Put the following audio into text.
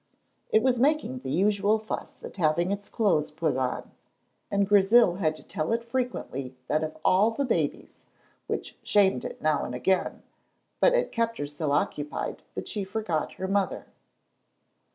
It was making the usual fuss at having its clothes put on, and Grizel had to tell it frequently that of all the babies which shamed it now and again, but kept her so occupied that she forgot her mother.